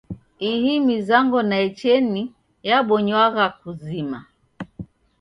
Ihi mizango naecheni yabonywagha kuzima.